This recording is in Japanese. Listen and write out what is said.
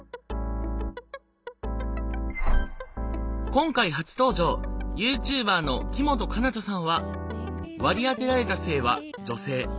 今回初登場ＹｏｕＴｕｂｅｒの木本奏太さんは割り当てられた性は女性。